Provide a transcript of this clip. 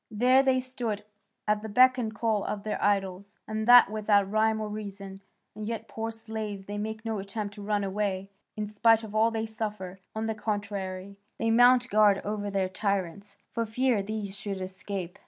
There they stood at the beck and call of their idols, and that without rhyme or reason; and yet, poor slaves, they make no attempt to run away, in spite of all they suffer; on the contrary, they mount guard over their tyrants, for fear these should escape."